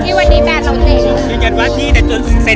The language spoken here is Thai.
ถ้าเห็นมันว่าเจ้าของเอ่อ